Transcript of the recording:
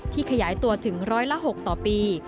ขยายตัวถึงร้อยละ๖ต่อปี